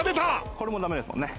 これも駄目ですもんね。